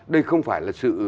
đây không phải là sự